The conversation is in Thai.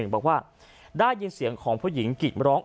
บอกว่าได้ยินเสียงของผู้หญิงกิร้อง